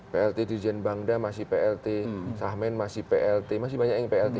plt dirjen bangda masih plt sahmen masih plt masih banyak yang plt